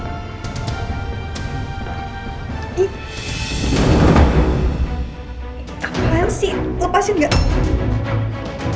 apaan sih lepasin gak